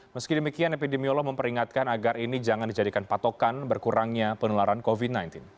meski demikian epidemiolog memperingatkan agar ini jangan dijadikan patokan berkurangnya penularan covid sembilan belas